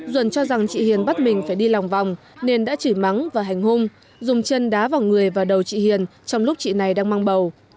duẩn cho rằng chị hiền bắt mình phải đi lòng vòng nên đã chửi mắng và hành hung dùng chân đá vào người và đầu chị hiền trong lúc chị này đang mang bầu